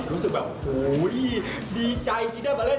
รู้สึกแบบโหที่ดีใจที่ได้มาเล่น